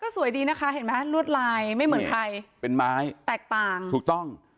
สวยดีนะคะเห็นไหมลวดลายไม่เหมือนใครเป็นไม้แตกต่างถูกต้อง